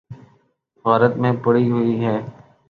غارت میں پڑی ہوئی ہے۔